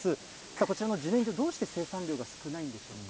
こちらのじねんじょ、生産量が少ないんでしょうか。